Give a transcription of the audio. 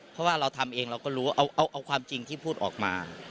เพราะว่าเราทำเองเราก็รู้เอาความจริงที่พูดออกมา